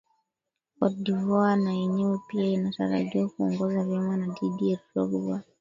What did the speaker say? cote devoire na yenyewe pia inatarajiwa kuongoza vyema na didier drogba